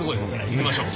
いきましょう。